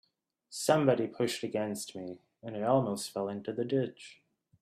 Somebody pushed against me, and I almost fell into the ditch.